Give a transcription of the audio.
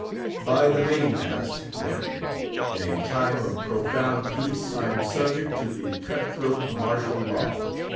By the main mast! then, in a time of profound peace, I am subject to the cut throat martial law.